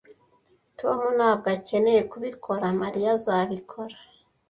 Tom ntabwo akeneye kubikora. Mariya azabikora